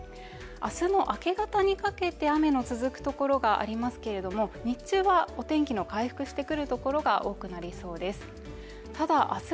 明日の明け方にかけて雨の続くところがありますけども日中はお天気の回復してくるところが多くなりそうです。